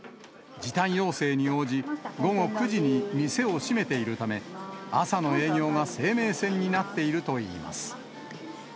時短要請に応じ、午後９時に店を閉めているため、朝の営業が生命線になっているといいます。